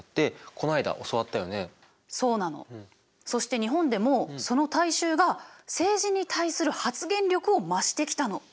そして日本でもその大衆が政治に対する発言力を増してきたの。